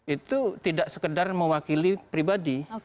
itu tidak sekedar mewakili pribadi